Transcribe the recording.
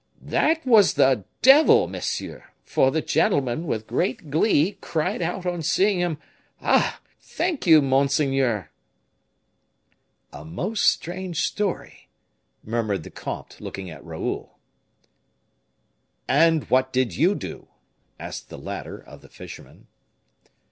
"That was the devil, monsieur; for the gentleman, with great glee, cried out, on seeing him: 'Ah! thank you, monseigneur!'" "A most strange story!" murmured the comte, looking at Raoul. "And what did you do?" asked the latter of the fisherman.